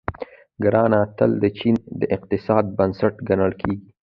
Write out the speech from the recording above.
کرنه تل د چین د اقتصاد بنسټ ګڼل کیږي.